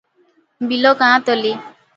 ବିଲ ଗାଁ ତଳେ ।